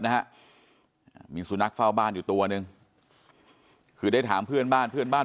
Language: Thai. นะฮะมีสุนัขเฝ้าบ้านอยู่ตัวหนึ่งคือได้ถามเพื่อนบ้านเพื่อนบ้าน